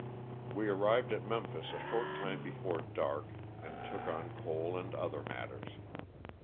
We arrived at Mempliis a short time before dark and took on coal and other matters.